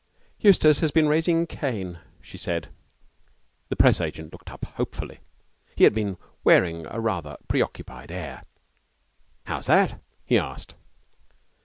'Eustace has been raising Cain,' she said. The Press agent looked up hopefully. He had been wearing a rather preoccupied air. 'How's that?' he asked.